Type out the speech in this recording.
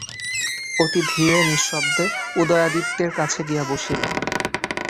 অতি ধীরে নিঃশব্দে উদয়াদিত্যের কাছে গিয়া বসিল।